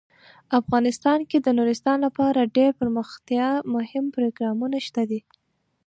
افغانستان کې د نورستان لپاره ډیر دپرمختیا مهم پروګرامونه شته دي.